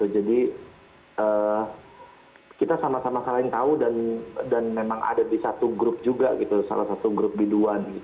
jadi kita sama sama saling tahu dan memang ada di satu grup juga salah satu grup biduan